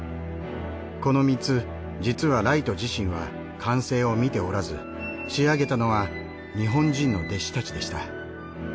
この３つ実はライト自身は完成を見ておらず仕上げたのは日本人の弟子たちでした。